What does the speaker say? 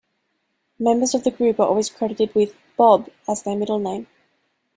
Members of the group are always credited with "Bob" as their middle name.